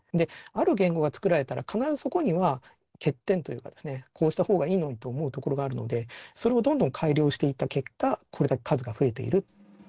ある言語が作られたら必ずそこには欠点というかですねこうした方がいいのにと思うところがあるのでそれをどんどん改良していった結果これだけ数が増えている。